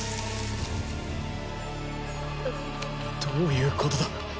どういうことだ！？